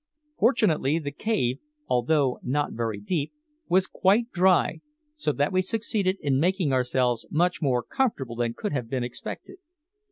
Fortunately the cave, although not very deep, was quite dry, so that we succeeded in making ourselves much more comfortable than could have been expected.